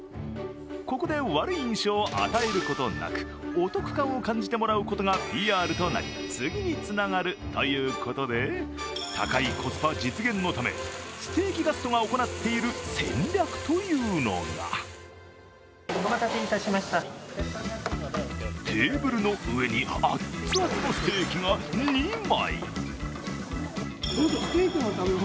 ここで悪い印象を与えることなくお得感を与えることがＰＲになり次につながるということで、高いコスパ実現のためステーキガストが行っている戦略というのがテーブルの上にアツアツのステーキが２枚。